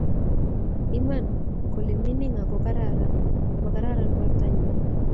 Iman kole mining ago kararan, magararan bortonyi